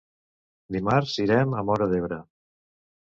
Dimarts irem a Móra d'Ebre.